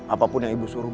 apapun yang ibu suruh